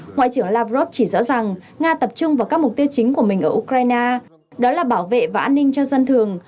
ngoại trưởng lavrov chỉ rõ rằng nga tập trung vào các mục tiêu chính của mình ở ukraine đó là bảo vệ và an ninh cho dân thường